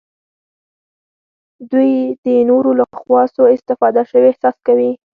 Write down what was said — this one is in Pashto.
دوی د نورو لخوا سوء استفاده شوي احساس کوي.